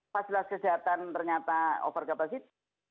fasilitas kesehatan ternyata over capacity